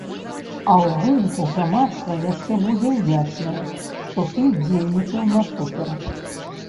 А ў выніку грамадства яшчэ будзе ўдзячнае, што ты дзейнічаў насуперак.